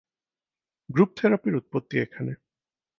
Group থেরাপির উৎপত্তি এখানে।